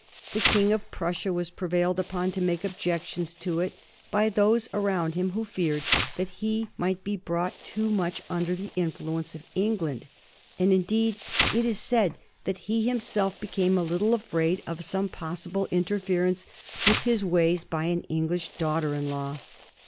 The King of Prussia was prevailed upon to make objections to it by those around him who feared that he might be brought too much under the influence of England; and, indeed, it is said that he himself became a little afraid of some pos sible interference with his ways by an English daughter in law.